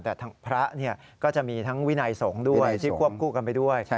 แต่ทั้งพระก็จะมีทั้งวินัยสงฆ์ด้วยที่ควบคู่กันไปด้วย